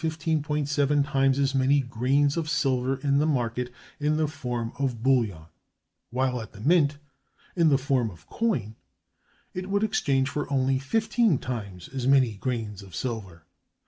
7 times as many grains of silver in the market, in the form of bullion; while at the mint, in the form of coin, it would exchange for only 15 times as many grains of silver.